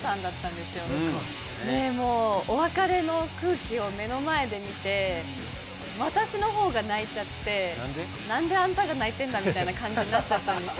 で、もう、お別れの空気を目の前で見て、なんで？なんであんたが泣いてんだみたいな感じになっちゃったんですよ。